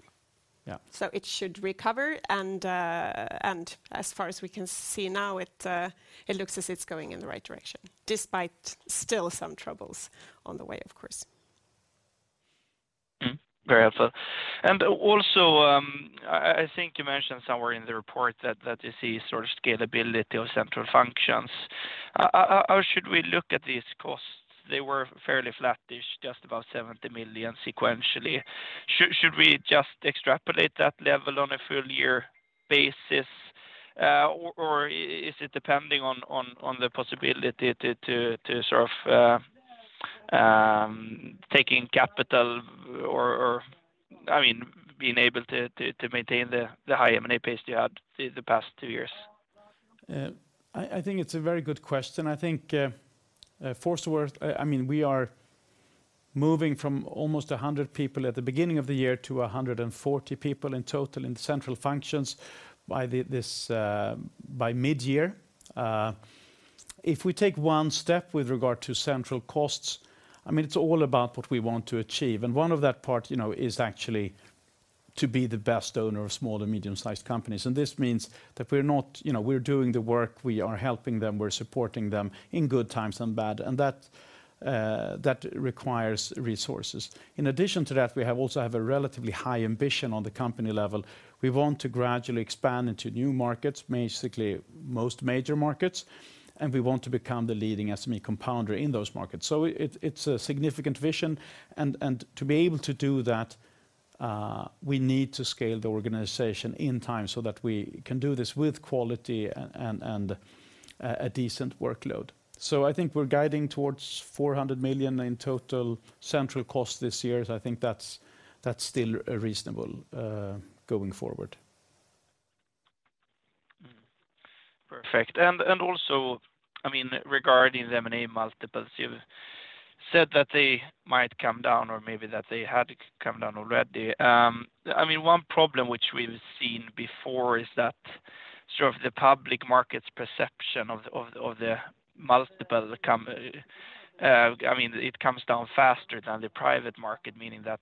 Yeah. It should recover, and as far as we can see now, it looks as it's going in the right direction, despite still some troubles on the way, of course. Mm-hmm. Very helpful. I think you mentioned somewhere in the report that you see sort of scalability of central functions. How should we look at these costs? They were fairly flattish, just about 70 million sequentially. Should we just extrapolate that level on a full year basis, or is it depending on the possibility to sort of taking capital or, I mean, being able to maintain the high M&A pace you had the past two years? I think it's a very good question. I mean, we are moving from almost 100 people at the beginning of the year to 140 people in total in the central functions by midyear. If we take one step with regard to central costs, I mean, it's all about what we want to achieve, and one of those parts, you know, is actually to be the best owner of small and medium-sized companies. This means we're doing the work, we are helping them, we're supporting them in good times and bad, and that requires resources. In addition to that, we also have a relatively high ambition on the company level. We want to gradually expand into new markets, basically most major markets, and we want to become the leading SME compounder in those markets. It's a significant vision, and to be able to do that, we need to scale the organization in time so that we can do this with quality and a decent workload. I think we're guiding towards 400 million in total central cost this year. I think that's still reasonable, going forward. Perfect. Also, I mean, regarding the M&A multiples, you said that they might come down or maybe that they had come down already. I mean, one problem which we've seen before is that sort of the public market's perception of the multiple, I mean, it comes down faster than the private market, meaning that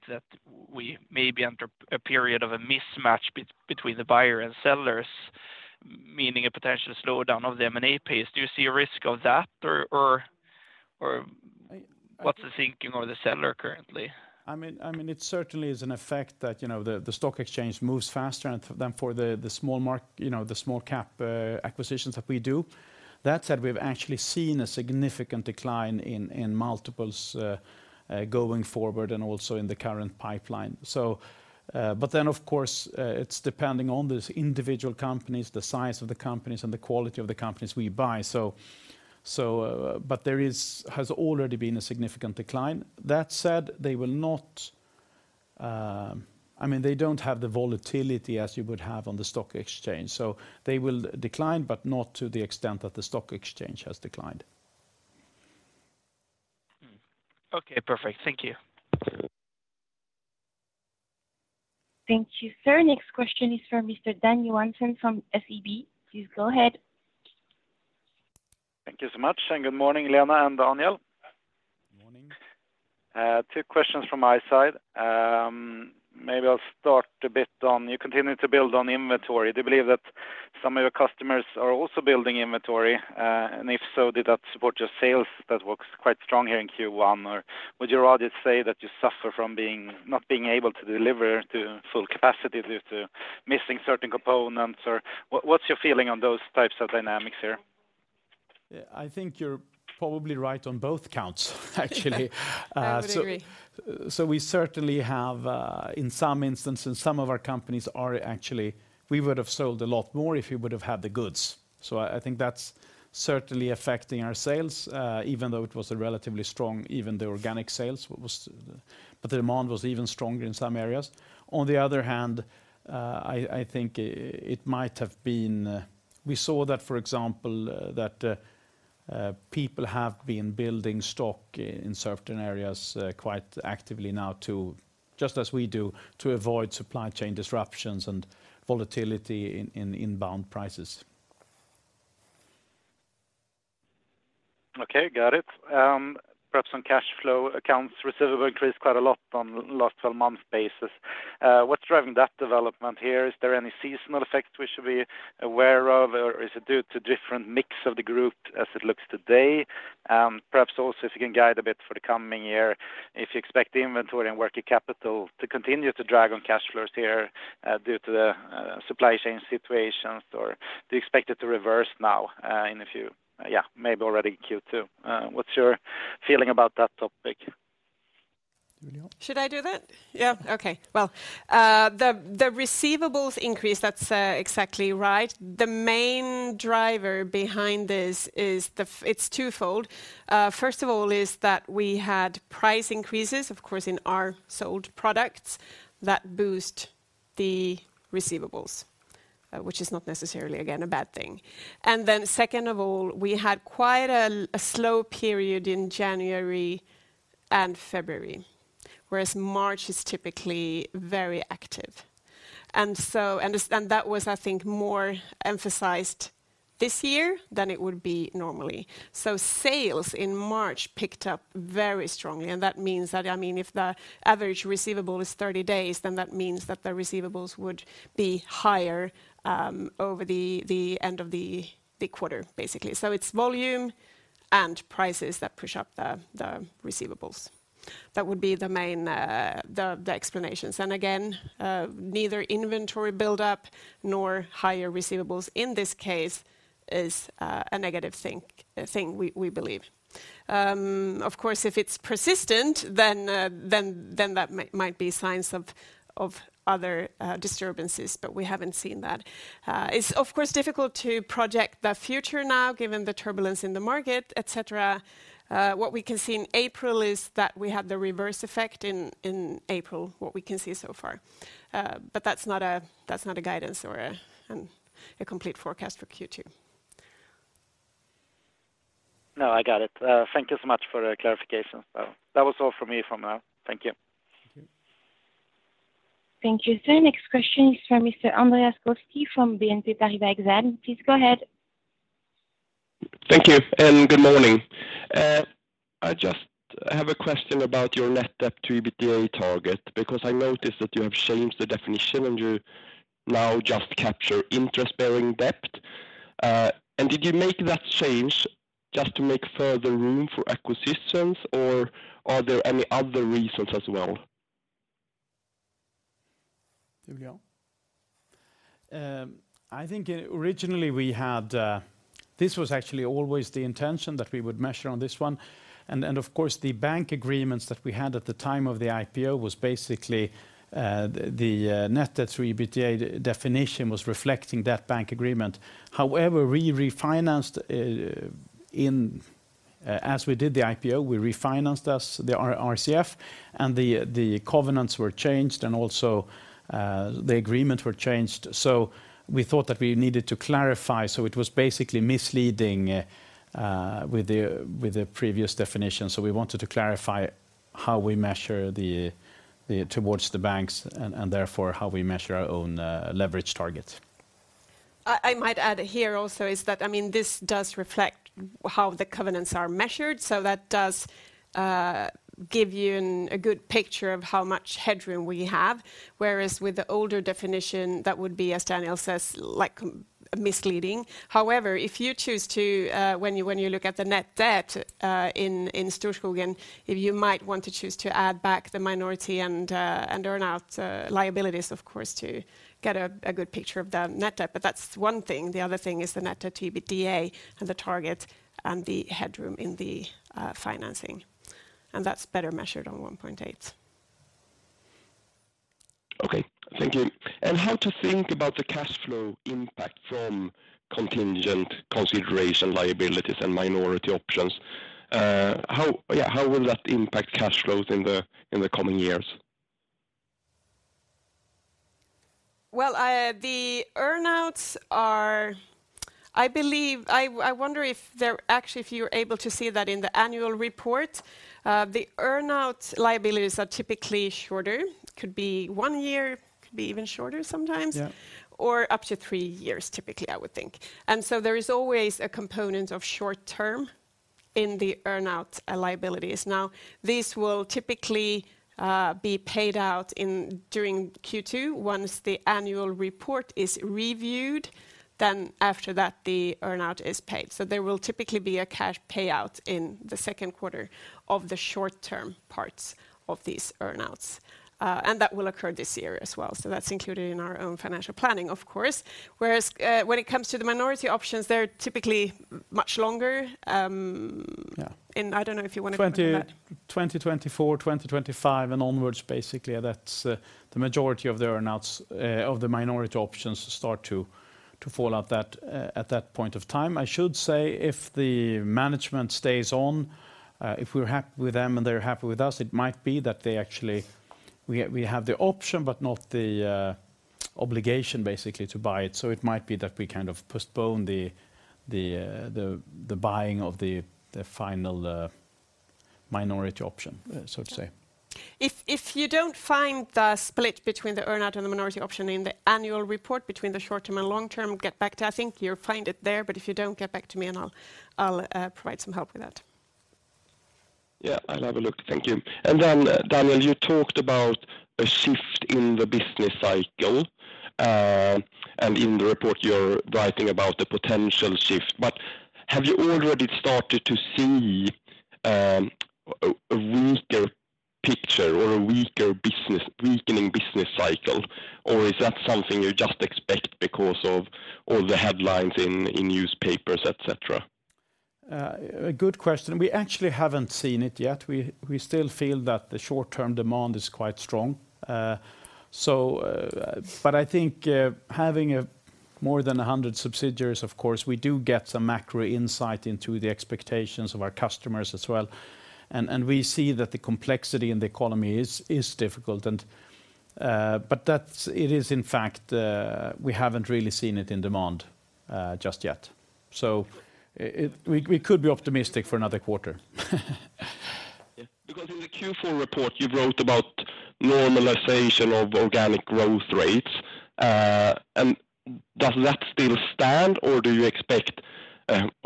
we may be under a period of a mismatch between the buyer and sellers, meaning a potential slowdown of the M&A pace. Do you see a risk of that or what's the thinking of the seller currently? I mean, it certainly is an effect that, you know, the stock exchange moves faster than for the small cap acquisitions that we do. That said, we've actually seen a significant decline in multiples going forward and also in the current pipeline. Of course, it's depending on those individual companies, the size of the companies, and the quality of the companies we buy. There has already been a significant decline. That said, they will not, I mean, they don't have the volatility as you would have on the stock exchange, so they will decline, but not to the extent that the stock exchange has declined. Okay, perfect. Thank you. Thank you, sir. Next question is from Mr. Dan Johansson from SEB. Please go ahead. Thank you so much, and good morning, Lena and Daniel. Morning. Two questions from my side. Maybe I'll start a bit on you continue to build on inventory. Do you believe that some of your customers are also building inventory? If so, did that support your sales that looks quite strong here in Q1? Would you rather say that you suffer from not being able to deliver to full capacity due to missing certain components, or what's your feeling on those types of dynamics here? Yeah, I think you're probably right on both counts actually. I would agree. We certainly have, in some instances, some of our companies are actually we would have sold a lot more if we would have had the goods. I think that's certainly affecting our sales, even though it was a relatively strong, even the organic sales was. The demand was even stronger in some areas. On the other hand, I think it might have been. We saw that, for example, people have been building stock in certain areas quite actively now, just as we do, to avoid supply chain disruptions and volatility in bond prices. Okay, got it. Perhaps on cash flow, accounts receivable increased quite a lot on last 12 months basis. What's driving that development here? Is there any seasonal effects we should be aware of, or is it due to different mix of the group as it looks today? Perhaps also if you can guide a bit for the coming year, if you expect the inventory and working capital to continue to drag on cash flows here, due to the supply chain situations, or do you expect it to reverse now, yeah, maybe already Q2. What's your feeling about that topic? Julia? Should I do that? Yeah? Okay. Well, the receivables increase, that's exactly right. The main driver behind this is. It's twofold. First of all, is that we had price increases, of course, in our sold products that boost the receivables, which is not necessarily, again, a bad thing. Second of all, we had quite a slow period in January and February, whereas March is typically very active. That was, I think, more emphasized this year than it would be normally. Sales in March picked up very strongly, and that means that, I mean, if the average receivable is 30 days, then that means that the receivables would be higher, over the end of the quarter, basically. It's volume and prices that push up the receivables. That would be the main explanations. Again, neither inventory buildup nor higher receivables in this case is a negative thing we believe. Of course, if it's persistent, then that might be signs of other disturbances, but we haven't seen that. It's of course difficult to project the future now given the turbulence in the market, et cetera. What we can see in April is that we have the reverse effect in April, what we can see so far. That's not a guidance or a complete forecast for Q2. No, I got it. Thank you so much for the clarification. That was all from me for now. Thank you. Thank you. Thank you, sir. Next question is from Mr. Andreas Koski from BNP Paribas Exane. Please go ahead. Thank you, and good morning. I just have a question about your net debt to EBITDA target, because I noticed that you have changed the definition and you now just capture interest-bearing debt. Did you make that change just to make further room for acquisitions, or are there any other reasons as well? [inaudible] I think originally we had. This was actually always the intention that we would measure on this one. Of course, the bank agreements that we had at the time of the IPO was basically the net debt to EBITDA definition was reflecting that bank agreement. However, as we did the IPO, we refinanced with the RCF, and the covenants were changed and also the agreement were changed. We thought that we needed to clarify. It was basically misleading with the previous definition. We wanted to clarify how we measure towards the banks and therefore how we measure our own leverage targets. I might add here also is that, I mean, this does reflect how the covenants are measured. That does give you a good picture of how much headroom we have. Whereas with the older definition, that would be, as Daniel says, like misleading. However, if you choose to, when you look at the net debt in Storskogen, if you might want to choose to add back the minority and earn out liabilities, of course, to get a good picture of the net debt. That's one thing. The other thing is the net debt EBITDA and the target and the headroom in the financing. That's better measured on one point eights. Okay. Thank you. How to think about the cash flow impact from contingent consideration liabilities and minority options. How will that impact cash flows in the coming years? Well, the earn-outs are, I believe. I wonder if they're actually if you're able to see that in the annual report. The earn-out liabilities are typically shorter. Could be one year, could be even shorter sometimes. Yeah. Up to three years, typically, I would think. There is always a component of short-term in the earn-out liabilities. These will typically be paid out during Q2 once the annual report is reviewed, then after that, the earn-out is paid. There will typically be a cash payout in the second quarter of the short-term parts of these earn-outs. That will occur this year as well. That's included in our own financial planning, of course. Whereas, when it comes to the minority options, they're typically much longer. Yeah. I don't know if you want to comment on that. 2024, 2025 and onwards, basically. That's the majority of the earn outs of the minority options start to fall at that point of time. I should say, if the management stays on, if we're happy with them and they're happy with us, it might be that they actually. We have the option, but not the obligation basically to buy it. It might be that we kind of postpone the buying of the final minority option, so to say. If you don't find the split between the earn-out and the minority option in the annual report between the short-term and long-term, get back to me. I think you'll find it there, but if you don't, get back to me and I'll provide some help with that. Yeah, I'll have a look. Thank you. Then, Daniel, you talked about a shift in the business cycle, and in the report you're writing about the potential shift. Have you already started to see a weaker picture or a weakening business cycle? Is that something you just expect because of all the headlines in newspapers, et cetera? A good question. We actually haven't seen it yet. We still feel that the short-term demand is quite strong. I think having more than 100 subsidiaries, of course, we do get some macro insight into the expectations of our customers as well. We see that the complexity in the economy is difficult. It is in fact, we haven't really seen it in demand just yet. We could be optimistic for another quarter. Yeah. Because in the Q4 report, you wrote about normalization of organic growth rates. Does that still stand or do you expect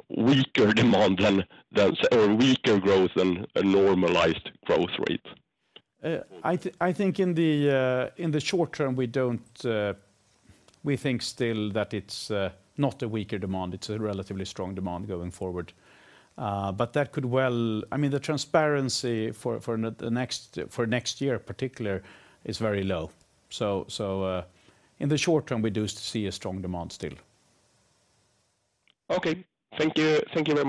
weaker demand than those or weaker growth than a normalized growth rate? I think in the short term, we think still that it's not a weaker demand. It's a relatively strong demand going forward. That could well. I mean, the transparency for next year in particular is very low. In the short term, we do see a strong demand still. Okay. Thank you. Thank you very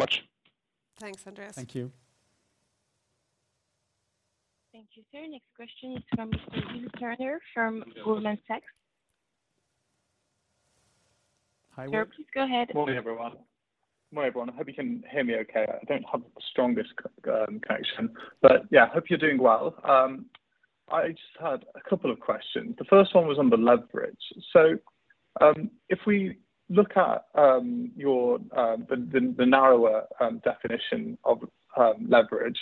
much. Thanks, Andreas. Thank you. Thank you, sir. Next question is from William Turner from Goldman Sachs. Hi, William. Sir, please go ahead. Morning, everyone. I hope you can hear me okay. I don't have the strongest connection. But yeah, hope you're doing well. I just had a couple of questions. The first one was on the leverage. If we look at your the narrower definition of leverage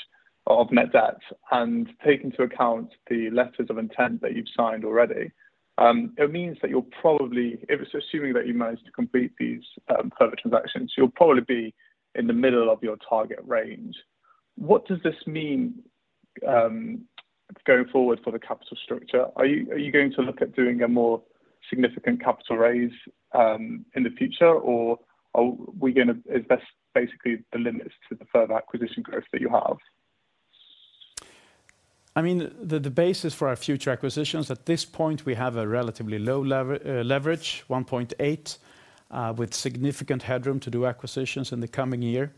of net debt and take into account the letters of intent that you've signed already, it means that you're probably, if it's assuming that you managed to complete these acquisitions, you'll probably be in the middle of your target range. What does this mean going forward for the capital structure? Are you going to look at doing a more significant capital raise in the future, or is that basically the limit to the further acquisition growth that you have? I mean, the basis for our future acquisitions, at this point, we have a relatively low leverage, 1.8, with significant headroom to do acquisitions in the coming year.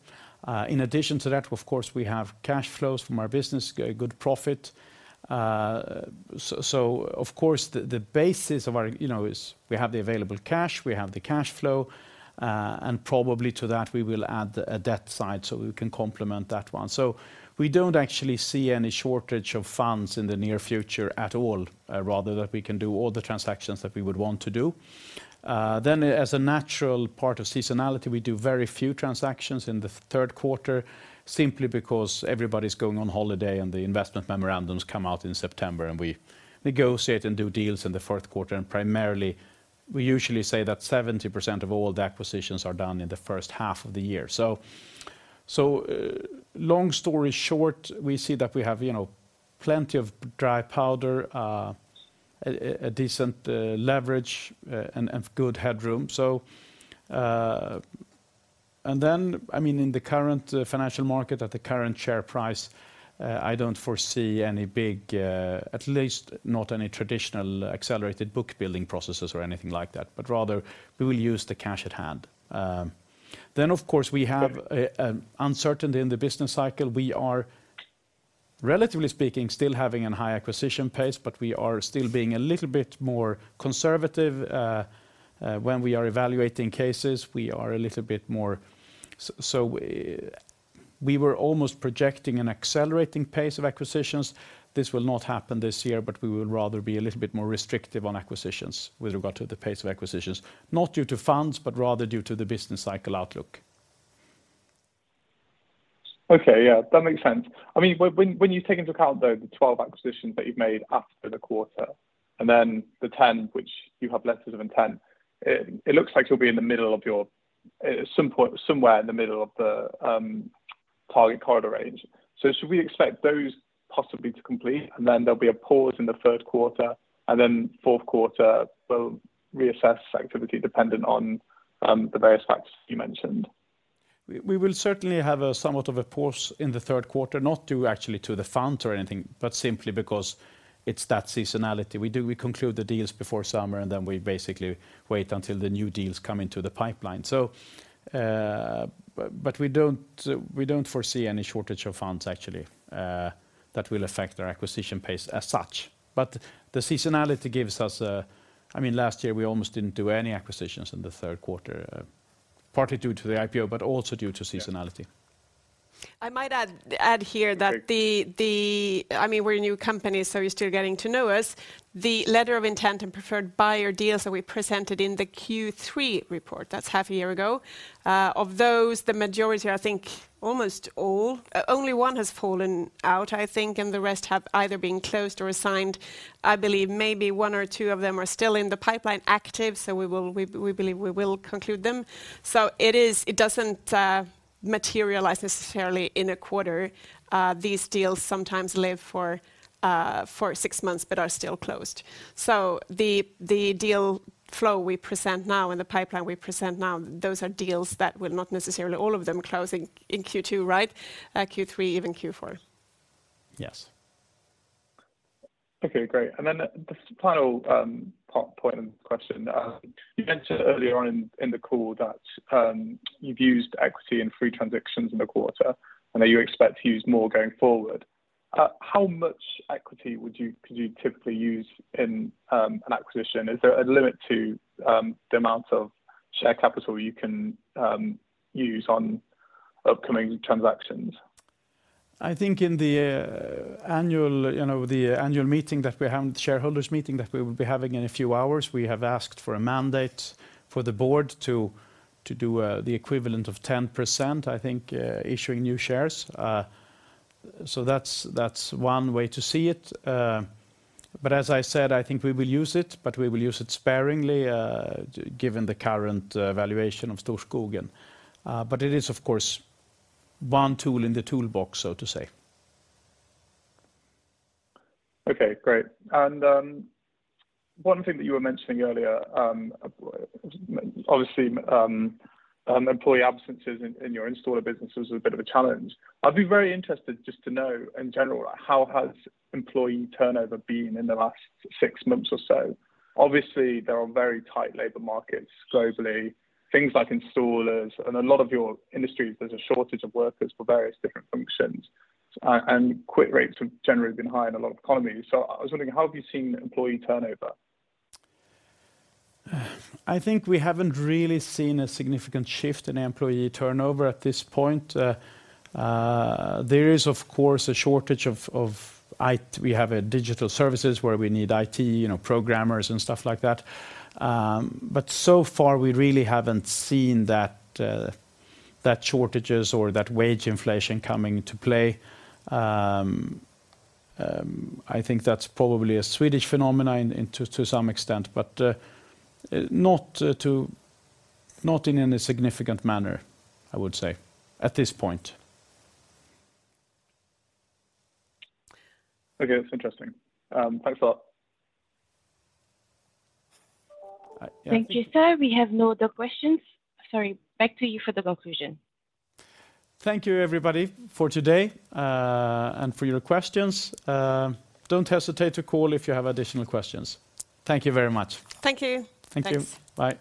In addition to that, of course, we have cash flows from our business, good profit. Of course, the basis you know is we have the available cash, we have the cash flow, and probably to that, we will add a debt side, so we can complement that one. We don't actually see any shortage of funds in the near future at all, rather that we can do all the transactions that we would want to do. As a natural part of seasonality, we do very few transactions in the third quarter simply because everybody's going on holiday and the investment memorandums come out in September, and we negotiate and do deals in the fourth quarter. Primarily, we usually say that 70% of all the acquisitions are done in the first half of the year. Long story short, we see that we have, you know, plenty of dry powder, a decent leverage, and good headroom. I mean, in the current financial market at the current share price, I don't foresee any big, at least not any traditional accelerated book building processes or anything like that, but rather we will use the cash at hand. Of course, we have uncertainty in the business cycle. We are, relatively speaking, still having a high acquisition pace, but we are still being a little bit more conservative when we are evaluating cases. We were almost projecting an accelerating pace of acquisitions. This will not happen this year, but we will rather be a little bit more restrictive on acquisitions with regard to the pace of acquisitions, not due to funds, but rather due to the business cycle outlook. Okay. Yeah, that makes sense. I mean, when you take into account, though, the 12 acquisitions that you've made after the quarter and then the 10 which you have letters of intent, it looks like you'll be at some point, somewhere in the middle of the target corridor range. Should we expect those possibly to complete and then there'll be a pause in the third quarter and then fourth quarter we'll reassess activity dependent on the various factors you mentioned? We will certainly have a somewhat of a pause in the third quarter, not due actually to the fund or anything, but simply because it's that seasonality. We conclude the deals before summer and then we basically wait until the new deals come into the pipeline. We don't foresee any shortage of funds actually, that will affect our acquisition pace as such. I mean, last year we almost didn't do any acquisitions in the third quarter, partly due to the IPO, but also due to seasonality. I might add here that I mean, we're a new company, so you're still getting to know us. The letter of intent and preferred buyer deals that we presented in the Q3 report, that's half a year ago. Of those, the majority, I think almost all, only one has fallen out, I think, and the rest have either been closed or assigned. I believe maybe one or two of them are still in the pipeline active. We believe we will conclude them. It doesn't materialize necessarily in a quarter. These deals sometimes live for six months, but are still closed. The deal flow we present now in the pipeline we present now, those are deals that will not necessarily all of them closing in Q2, right? Q3, even Q4. Yes. Okay, great. The final point and question. You mentioned earlier on in the call that you've used equity in three transactions in the quarter, and that you expect to use more going forward. How much equity could you typically use in an acquisition? Is there a limit to the amount of share capital you can use on upcoming transactions? I think in the annual, you know, the annual meeting that we're having, shareholders meeting that we will be having in a few hours, we have asked for a mandate for the board to do the equivalent of 10%, I think, issuing new shares. That's one way to see it. As I said, I think we will use it sparingly, given the current valuation of Storskogen. It is of course one tool in the toolbox, so to speak. Okay, great. One thing that you were mentioning earlier, obviously, employee absences in your installer business was a bit of a challenge. I'd be very interested just to know in general, how has employee turnover been in the last six months or so? Obviously, there are very tight labor markets globally. Things like installers and a lot of your industries, there's a shortage of workers for various different functions, and quit rates have generally been high in a lot of economies. I was wondering, how have you seen employee turnover? I think we haven't really seen a significant shift in employee turnover at this point. There is of course a shortage of IT. We have a digital services where we need IT, you know, programmers and stuff like that. So far we really haven't seen that shortages or that wage inflation coming into play. I think that's probably a Swedish phenomena in to some extent, but not in any significant manner, I would say, at this point. Okay, that's interesting. Thanks a lot. Thank you, sir. We have no other questions. Sorry, back to you for the conclusion. Thank you everybody for today, and for your questions. Don't hesitate to call if you have additional questions. Thank you very much. Thank you. Thank you. Bye.